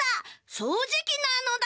そうじきなのだ！